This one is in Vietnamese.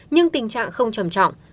nhưng tình trạng không trầm trọng